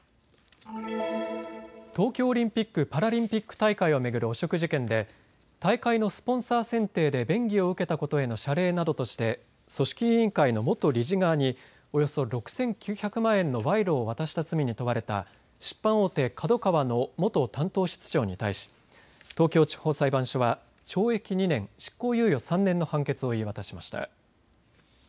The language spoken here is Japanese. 東京オリンピック・パラリンピック大会を巡る汚職事件で大会のスポンサー選定で便宜を受けたことへの謝礼などとして組織委員会の元理事側におよそ６９００万円の賄賂を渡した罪に問われた出版大手、ＫＡＤＯＫＡＷＡの元担当室長に対し東京地方裁判所は懲役２年、執行猶予３年の判決を言い渡しました。